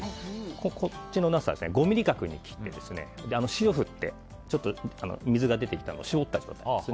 こっちのナスは５ｍｍ角に切って塩を振って水が出てきたのを絞った状態です。